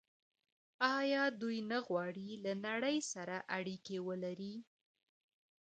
آیا دوی نه غواړي له نړۍ سره اړیکه ولري؟